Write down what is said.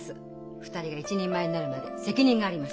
２人が一人前になるまで責任があります。